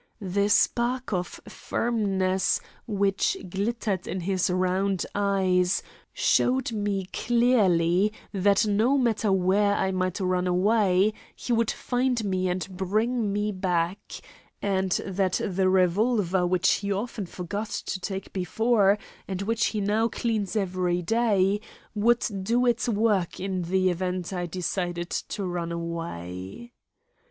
The spark of firmness which glittered in his round eyes showed me clearly that no matter where I might run away he would find me and bring me back; and that the revolver which he often forgot to take before, and which he now cleans every day, would do its work in the event I decided to run away.